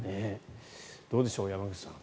どうでしょう山口さん